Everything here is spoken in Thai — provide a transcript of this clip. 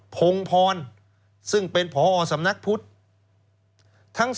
พงพรซึ่งเป็นพอสำนักพุทธศาสนา